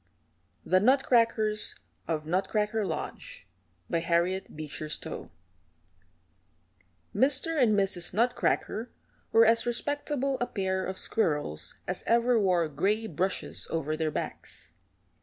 THE NUTCRACKERS OF NUTCRACKER LODGE HARRIET BEECHER STOWE Mr. and Mrs. Nutcracker were as respectable a pair of squirrels as ever wore gray brushes over their backs.